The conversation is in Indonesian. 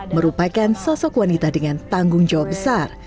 merupakan sosok wanita dengan tanggung jawab besar